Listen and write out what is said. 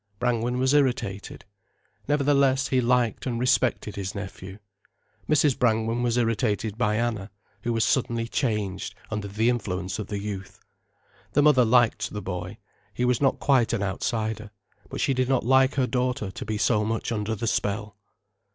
Brangwen was irritated. Nevertheless he liked and respected his nephew. Mrs. Brangwen was irritated by Anna, who was suddenly changed, under the influence of the youth. The mother liked the boy: he was not quite an outsider. But she did not like her daughter to be so much under the spell.